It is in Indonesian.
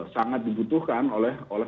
sangat dibutuhkan oleh